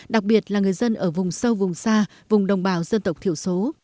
đặc biệt là người dân ở vùng sâu vùng xa vùng đồng bào dân tộc thiểu số